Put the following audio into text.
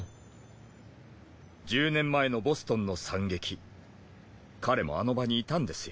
１０年前のボストンの惨劇彼もあの場にいたんですよ。